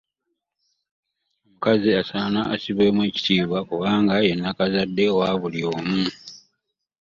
Omukazi asaana assibwemu ekitiibwa kubanga ye nakazadde wa buli omu.